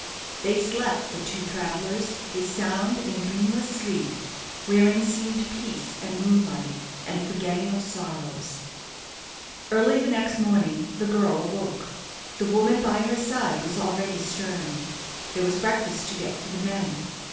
They slept, the two travellers, a sound and dreamless sleep, wherein seemed peace and moonlight, and a forgetting of sorrows. Early the next morning the girl awoke. The woman by her side was already stirring. There was breakfast to get for the men.